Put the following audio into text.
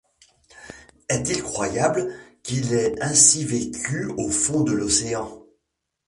Est-il croyable qu’il ait ainsi vécu au fond de l’océan